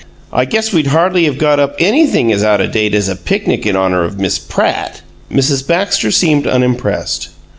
I guess we'd hardly of got up anything as out o' date as a picnic in honor of Miss PRATT!" Mrs. Baxter seemed unimpressed.